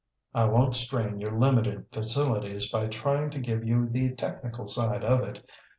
"I won't strain your limited facilities by trying to give you the technical side of it.